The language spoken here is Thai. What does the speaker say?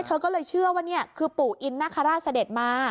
เธอก็เลยเชื่อว่านี่คือปู่อินนาคาราชเสด็จมา